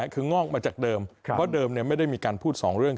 คืองอกมาจากเดิมเพราะเดิมไม่ได้มีการพูดสองเรื่อง